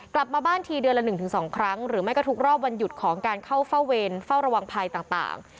กลับมาบ้านทีเดือนละ๑๒ครั้งหรือไม่ก็ทุกรอบวันหยุดของการเข้าเฝ้าเวรเฝ้าระวังภัยต่าง